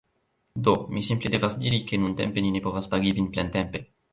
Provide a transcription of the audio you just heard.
Do, mi simple devas diri, ke nuntempe ni ne povas pagi vin plentempe